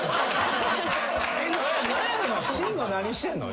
慎吾何してんの？